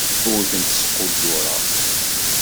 Ur tent-squddureɣ.